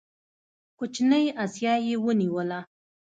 کوچنۍ اسیا یې ونیوله.